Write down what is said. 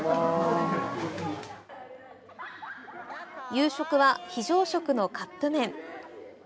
夕食は非常食のカップ麺。